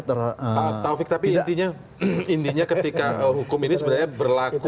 pak taufik tapi intinya intinya ketika hukum ini sebenarnya berlaku